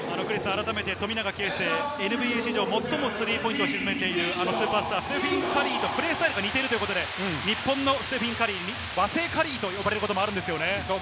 改めて富永啓生、ＮＢＡ史上最もスリーポイントを沈めているスーパースター、ステフィン・カリーとプレースタイルが似ているということで、日本のステフィン・カリー、和製カリーと呼ばれることもあるんですよね。